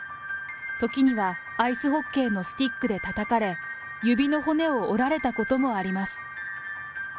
時にはアイスホッケーのスティックでたたかれ、指の骨を折られたこともあります。